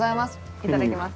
いただきます。